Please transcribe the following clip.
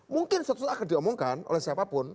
mungkin suatu saat akan diomongkan oleh siapapun